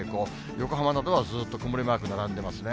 横浜などはずっと曇りマーク並んでますね。